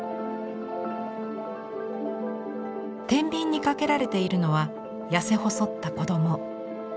天秤にかけられているのは痩せ細った子ども。